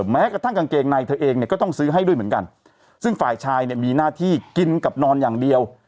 แม้กระทั่งกางเกงในเธอเองเนี่ยก็ต้องซื้อให้ด้วยเหมือนกันซึ่งฝ่ายชายเนี่ยมีหน้าที่กินกับนอนอย่างเดียว